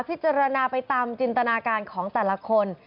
พิจารณาไปตามจินตนาการของแต่ละคน